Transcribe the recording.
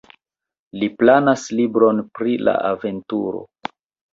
Li planas libron pri la aventuro.